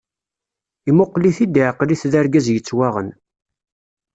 Imuqel-it-id iɛqel-it d argaz yettwaɣen.